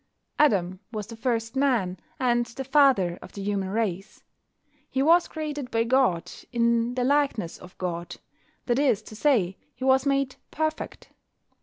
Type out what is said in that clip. Adam was the first man, and the father of the human race. He was created by God, in the likeness of God: that is to say, he was made "perfect."